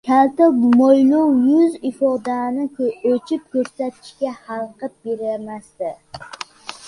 Kalta mo‘ylov yuz ifodamni ochiq ko‘rsatishga xalaqit bermasdi.